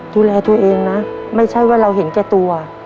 ดูแลตัวเองนะไม่ใช่ว่าเราเห็นแก่ตัว